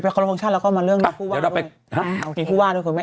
ก็กลับแล้วก็มาเรื่องภูต์ว่าหันกินภูตบ้านด้วย๕๕